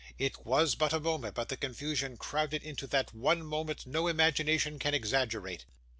It was but a moment, but the confusion crowded into that one moment no imagination can exaggerate.